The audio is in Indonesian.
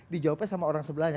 dijawabnya sama orang sebelahnya